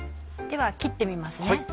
では切ってみますね。